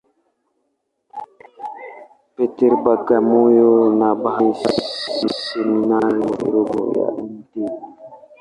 Peter, Bagamoyo, na baadaye Seminari ndogo ya Mt.